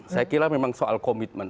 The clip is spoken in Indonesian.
saya kira memang soal komitmen